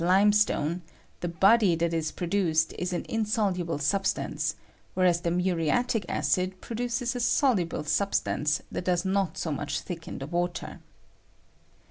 147 I limestone, the body that is produced is an in , Boluble auhatance, whereas the miiriatic acid I produces a soluble substance that does not so I much thicken the ■water).